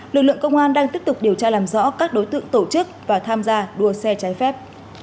lực lượng công an đang tiếp tục điều tra làm rõ các đối tượng tổ chức và tham gia đua xe trái phép